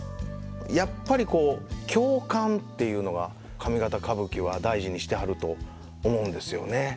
やっぱりこう共感っていうのは上方歌舞伎は大事にしてはると思うんですよね。